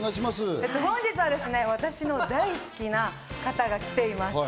本日はですね、私の大好きな方が来ています。